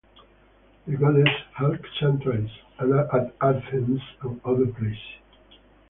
The goddess had sanctuaries at Athens and other places.